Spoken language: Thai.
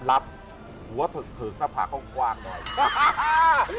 หัวเถิกหน้าผ่าข้างหน่อย